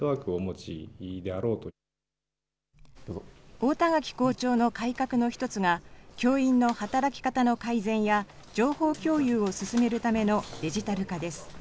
太田垣校長の改革の１つが、教員の働き方の改善や、情報共有を進めるためのデジタル化です。